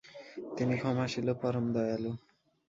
তিনি ক্ষমাশীল ও পরম দয়ালু।